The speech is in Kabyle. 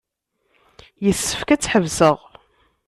Yessefk ad tḥebseɣ.